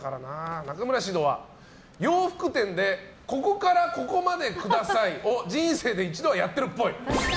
中村獅童は、洋服店で「ここからここまでください」を人生で一度はやってるっぽい。